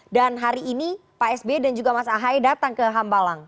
dan hari ini pak sby dan juga mas ahai datang ke hambalang